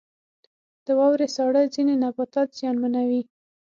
• د واورې ساړه ځینې نباتات زیانمنوي.